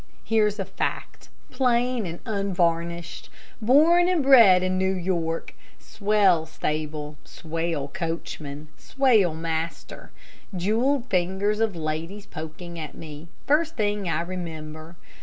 Here's a fact, plain and unvarnished. Born and bred in New York. Swell stable. Swell coachman. Swell master. Jewelled fingers of ladies poking at me, first thing I remember.